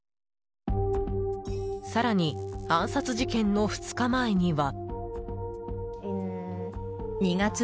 更に、暗殺事件の２日前には。